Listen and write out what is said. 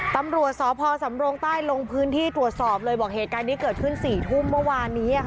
ตำรวจสพสำรงใต้ลงพื้นที่ตรวจสอบเลยบอกเหตุการณ์นี้เกิดขึ้น๔ทุ่มเมื่อวานนี้